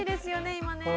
今ね。